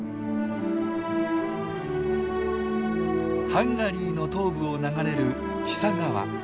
ハンガリーの東部を流れるティサ川。